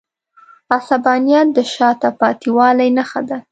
عصبانیت د شاته پاتې والي نښه ده.